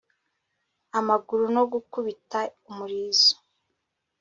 amaguru no gukubita umurizo